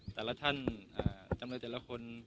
แต่ละท่านจำเลยแต่ละคน